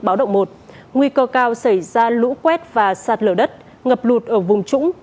báo động một nguy cơ cao xảy ra lũ quét và sạt lở đất ngập lụt ở vùng trũng